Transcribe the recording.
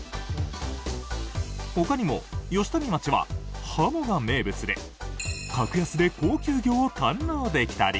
ほかにも吉富町はハモが名物で格安で高級魚を堪能できたり。